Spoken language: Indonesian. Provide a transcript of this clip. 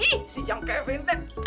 ih si jam kevin teh